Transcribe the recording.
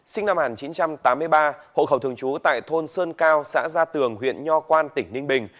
sinh năm một nghìn chín trăm tám mươi ba hộ khẩu thường trú tại thôn sơn cao xã gia tường huyện nho quan tỉnh ninh bình